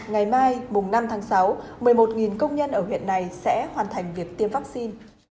ngày mai mùng năm tháng sáu một mươi một công nhân ở huyện này sẽ hoàn thành việc tiêm vắc xin